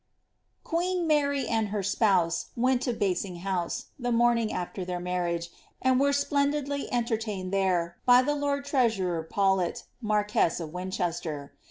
QjCEEN Mart and her spouse went to Basing House, the morning after their marriage, and were splendidly entertained there, by the lord trea surer Paulet, marquess of Winchester.